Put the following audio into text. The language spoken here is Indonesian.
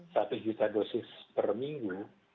satu juta dosis per minggu